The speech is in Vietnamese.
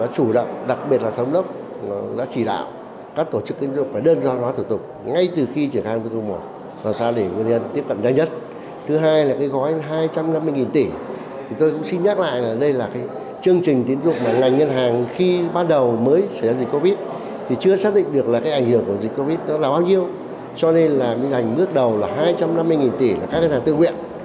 cho nên là ngân hàng nước đầu là hai trăm năm mươi tỷ là các ngân hàng tự nguyện